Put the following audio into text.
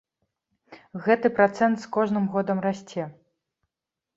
Гэты працэнт з кожным годам расце.